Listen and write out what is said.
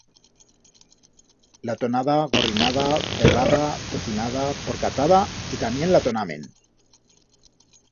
Latonada, gorrinada, verrada, tocinada, porcatada, y tamién latonamen.